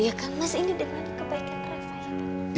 iya kan mas ini demi kebaikan reva ya